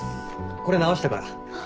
これ直したから。